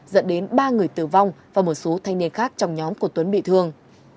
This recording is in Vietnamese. dẫn đến ba người tử vong và một số thanh niên khác trong nhóm của tuấn bị thương